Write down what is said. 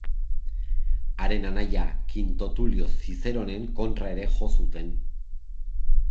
Haren anaia Kinto Tulio Zizeronen kontra ere jo zuten.